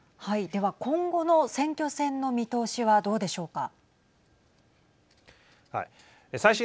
では、今後の選挙戦の見通しはどうでしょうか。